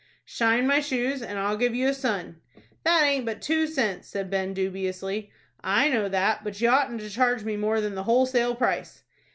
"Shine my shoes, and I'll give you a 'Sun.'" "That aint but two cents," said Ben, dubiously. "I know that; but you oughtn't to charge me more than the wholesale price."